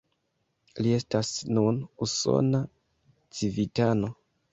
Li estas nun usona civitano.